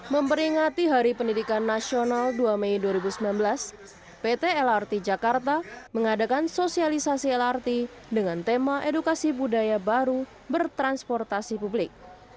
memperingati hari pendidikan nasional dua mei dua ribu sembilan belas pt lrt jakarta mengadakan sosialisasi lrt dengan tema edukasi budaya baru bertransportasi publik